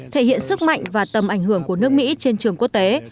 thể hiện sức mạnh và tầm ảnh hưởng của nước mỹ trên trường quốc tế